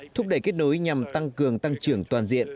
thúc đẩy kết nối nhằm tăng cường tăng trưởng toàn diện